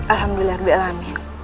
alhamdulillah hirap dialami